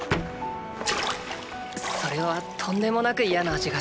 それはとんでもなくイヤな味がした。